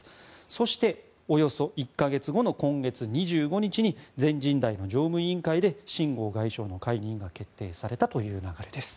そして、およそ１か月後の今月２５日に全人代の常務委員会でシン・ゴウ外相の解任が決定されたという流れです。